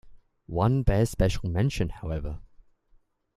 One bears special mention, however.